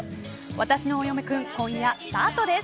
わたしのお嫁くん今夜スタートです。